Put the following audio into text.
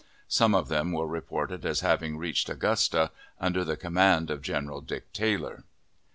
Some of them were reported as having reached Augusta, under the command of General Dick Taylor.